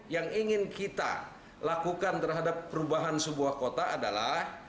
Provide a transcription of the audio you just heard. yang ingin kita lakukan terhadap perubahan sebuah kota adalah